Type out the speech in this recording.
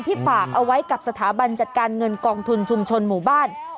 ฝากเอาไว้กับสถาบันจัดการเงินกองทุนชุมชนหมู่บ้าน